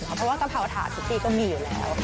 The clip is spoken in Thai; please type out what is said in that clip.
เพราะว่ากะเพราถาดทุกปีก็มีอยู่แล้ว